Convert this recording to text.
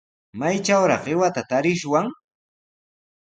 Waakanchikkunapaq, ¿maytrawraq qiwata tarishwan?